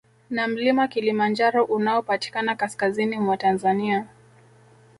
Na mlima Kilimanjaro unaopatikana kaskazini mwa Tanzania